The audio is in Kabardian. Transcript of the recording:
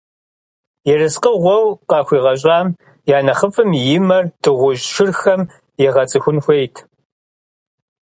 Ерыскъыгъуэу къахуигъэщӀам я нэхъыфӀым и мэр дыгъужь шырхэм егъэцӀыхун хуейт!